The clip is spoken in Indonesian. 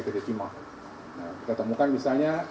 bd timah nah kita temukan misalnya